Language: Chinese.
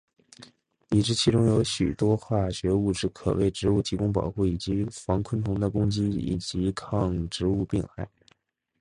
已知其中有许多化学物质可为植物提供保护以防昆虫的攻击以及抗植物病害。